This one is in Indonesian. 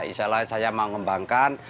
insya allah saya mau ngembangkan